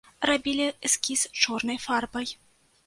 Рабілі эскіз чорнай фарбай.